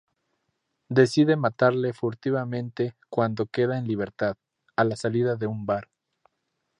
Decide matarle furtivamente cuando queda en libertad, a la salida de un bar.